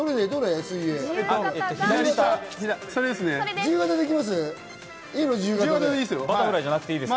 自由形で行きます？